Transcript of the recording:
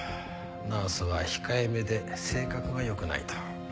ナースは控えめで性格が良くないと。